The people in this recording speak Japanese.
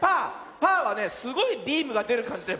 パーはねすごいビームがでるかんじだよ。